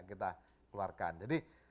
kita keluarkan jadi